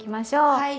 はい。